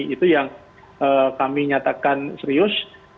itu yang kami nyatakan serius